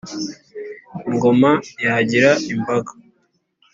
ingoma yagira imbaga.